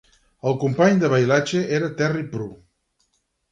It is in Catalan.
El company de Bailhache era Terry Prue.